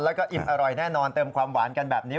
แล้วก็อิ่มอร่อยแน่นอนเติมความหวานกันแบบนี้